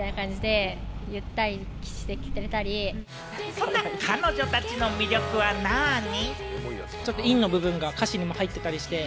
そんな彼女たちの魅力はなに？